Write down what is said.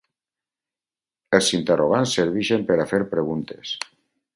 Els interrogants serveixen per a fer preguntes